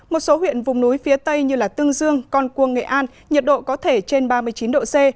một số huyện vùng núi phía tây như tương dương con cuông nghệ an nhiệt độ có thể trên ba mươi chín độ c